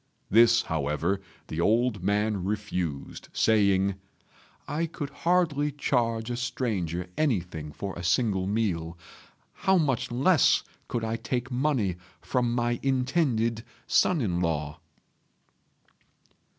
This, however, the old man refused, saying, "I could hardly charge a stranger anything for a single meal; how much less could I take money from my intended son in law?"